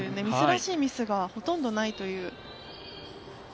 ミスらしいミスがほとんどないという。